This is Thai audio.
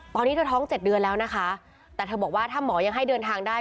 ตอนนี้เธอท้องเจ็ดเดือนแล้วนะคะแต่เธอบอกว่าถ้าหมอยังให้เดินทางได้